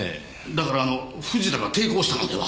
だからあの藤田が抵抗したのでは？